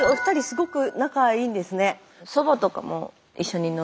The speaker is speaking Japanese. すごく仲いいんですね。